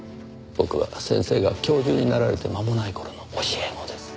僕は先生が教授になられて間もない頃の教え子です。